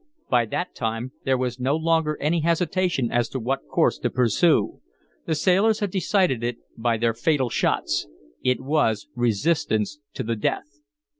By that time there was no longer any hesitation as to what course to pursue. The sailors had decided it by their fatal shots. It was resistance to the death.